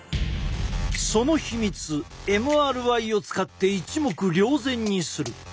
その秘密ＭＲＩを使って一目瞭然にする。